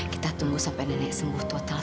kita tunggu sampai nenek sembuh total